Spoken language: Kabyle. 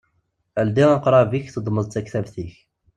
Ldi aqṛab-ik, teddmeḍ-d taktubt-ik!